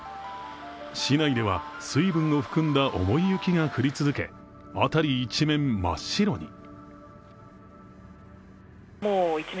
市内では水分を含んだ重い雪が降り続け辺り一面、真っ白に。